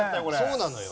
そうなのよ。